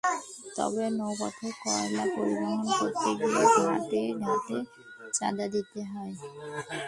তবে নৌপথে কয়লা পরিবহন করতে গিয়ে ঘাটে ঘাটে চাঁদা দিতে হয়।